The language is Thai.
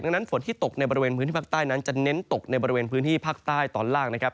ดังนั้นฝนที่ตกในบริเวณพื้นที่ภาคใต้นั้นจะเน้นตกในบริเวณพื้นที่ภาคใต้ตอนล่างนะครับ